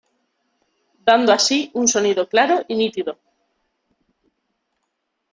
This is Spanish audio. Dando así un sonido claro y nítido.